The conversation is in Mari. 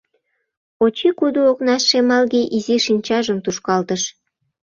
Очи кудо окнаш шемалге изи шинчажым тушкалтыш.